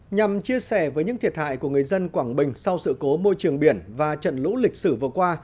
nhằm chia sẻ với những thiệt hại của người dân quảng bình sau sự cố môi trường biển và trận lũ lịch sử vừa qua